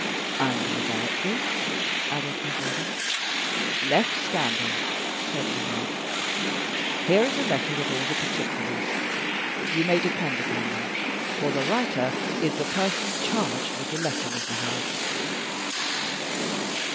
"And the laboratory?" added her brother. "Left standing," said Lomaque. "Here is a letter with all the particulars. You may depend upon them, for the writer is the person charged with the letting of the house."